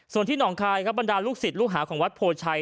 ส่วนที่หนองคายครับบรรดาลูกศิษย์ลูกหาของวัดโพชัย